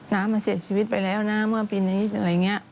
น้ำมันเสียชีวิตไปแล้วนะเมื่อปีนี้อะไรอย่างนี้